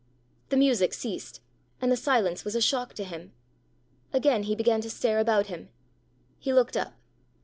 The music ceased, and the silence was a shock to him. Again he began to stare about him. He looked up.